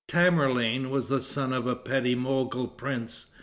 Tamerlane was the son of a petty Mogol prince.